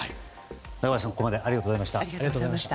中林さん、ここまでありがとうございました。